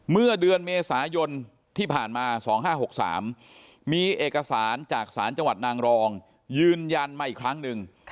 เมื่อเดือนเมษายนที่ผ่านมา๒๕๖๓มีเอกสารจากศาลจังหวัดนางรองยืนยันมาอีกครั้งหนึ่ง